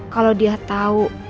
kalau dia tahu